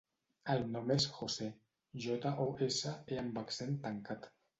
El nom és José: jota, o, essa, e amb accent tancat.